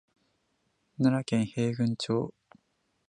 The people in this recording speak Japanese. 奈良県平群町